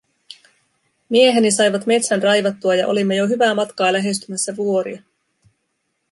Mieheni saivat metsän raivattua ja olimme jo hyvää matkaa lähestymässä vuoria.